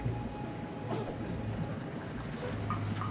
di tempat kejadian kemarin